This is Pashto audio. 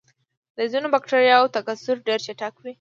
د ځینو بکټریاوو تکثر ډېر چټک وي.